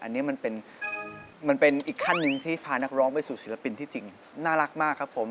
อันนี้มันเป็นอีกขั้นหนึ่งที่พานักร้องไปสู่ศิลปินที่จริงน่ารักมากครับผม